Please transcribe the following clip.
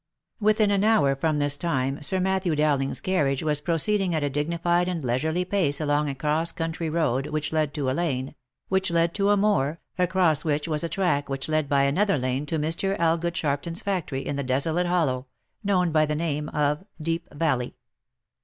Within an hour from this time, Sir Matthew Dowling's carriage was proceeding at a dignified and leisurely pace along a cross country road which led to a lane, which led to a moor, across which was a track which led by another lane to Mr. Elgood Sharpton's factory in the desolate hollow, known by the name of " Deep Valley."